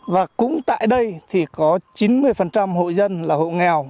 và cũng tại đây thì có chín mươi hộ dân là hộ nghèo